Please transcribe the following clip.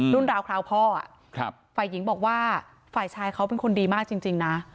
ราวคราวพ่อฝ่ายหญิงบอกว่าฝ่ายชายเขาเป็นคนดีมากจริงนะ